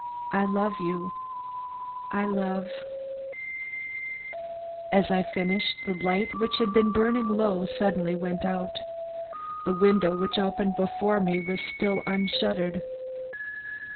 I love you I love As I finished, the light, which had been burning low, suddenly went out. The window which opened before me was still unshuttered.